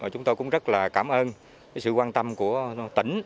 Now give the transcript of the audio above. chúng tôi cũng rất là cảm ơn sự quan tâm của tỉnh